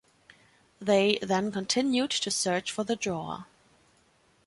They then continued to search for the drawer.